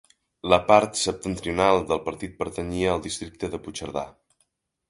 La part septentrional del partit pertanyia al districte de Puigcerdà.